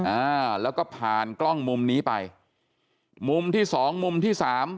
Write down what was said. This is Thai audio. อ่าแล้วก็ผ่านกล้องมุมนี้ไปมุมที่สองมุมที่สาม